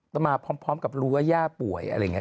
แต่มาพร้อมกับรู้ว่าย่าป่วยอะไรอย่างนี้